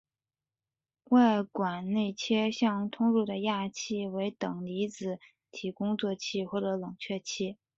外管内切向通入的氩气为等离子体工作气或冷却气。